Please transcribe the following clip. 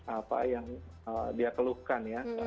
apa yang dia keluhkan ya